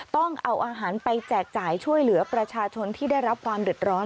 ต้องเอาอาหารไปแจกจ่ายช่วยเหลือประชาชนที่ได้รับความเดือดร้อน